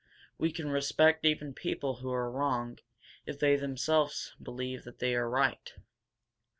We can respect even people who are wrong if they themselves believe that they are right.